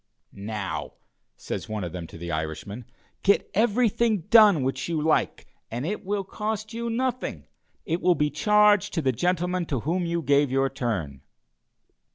"Now," says one of them to the Irishman, "get everything done which you like, and it will cost you nothing; it will be charged to the gentleman to whom you gave your turn."